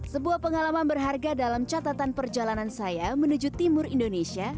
sebuah pengalaman berharga dalam catatan perjalanan saya menuju timur indonesia